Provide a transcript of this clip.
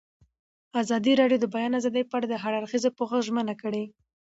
ازادي راډیو د د بیان آزادي په اړه د هر اړخیز پوښښ ژمنه کړې.